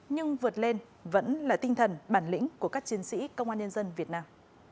nhưng vượt lên vẫn là tinh thần bản lĩnh của các chiến sĩ công an nhân dân việt nam